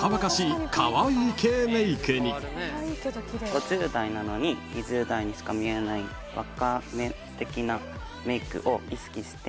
５０代なのに２０代にしか見えない若め的なメイクを意識して。